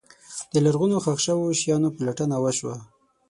د لرغونو ښخ شوو شیانو پلټنه وشوه.